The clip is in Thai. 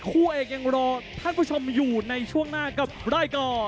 คู่เอกยังรอท่านผู้ชมอยู่ในช่วงหน้ากับรายการ